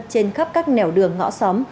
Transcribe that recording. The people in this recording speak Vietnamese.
trên khắp các nẻo đường ngõ xóm